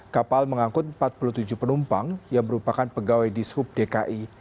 kapal mengangkut empat puluh tujuh penumpang yang merupakan pegawai dishub dki